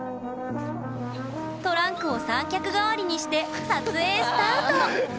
トランクを三脚代わりにして撮影スタート！